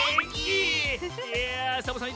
いやサボさん